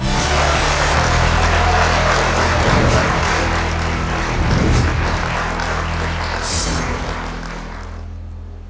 ประเด็นข้อมูลค่ะ